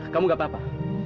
kamu gak apa apa